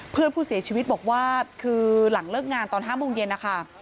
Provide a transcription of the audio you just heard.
เพื่อนผู้เสียชีวิตบอกว่าคือหลังเลิกงานตอน๕โมงเย็นนะคะ